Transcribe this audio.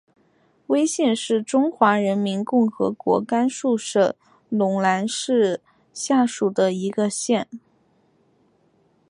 徽县是中华人民共和国甘肃省陇南市下属的一个县。